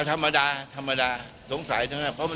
ก็ธรรมดาเถอะธรรมดาสงสัยนะเพราะมันจานโอชา